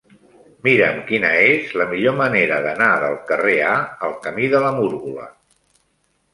Mira'm quina és la millor manera d'anar del carrer A al camí de la Múrgola.